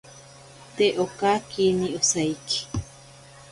Te okakini osaiki.